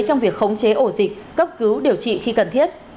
trong việc khống chế ổ dịch cấp cứu điều trị khi cần thiết